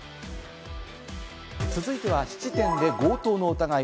続いては質店で強盗の疑い。